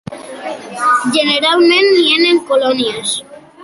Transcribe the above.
Generalment nien en colònies.